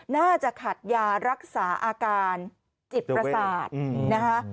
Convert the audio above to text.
น่าจะขาดยารักษาอาการจิตเวศด้วยนะฮะ